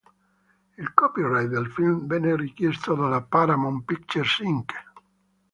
Il copyright del film venne richiesto dalla Paramount Pictures, Inc.